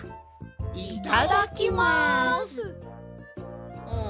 いただきます！